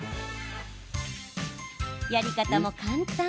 やり方も簡単。